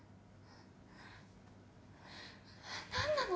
何なの？